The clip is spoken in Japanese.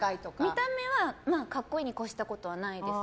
見た目は格好いいに越したことはないです。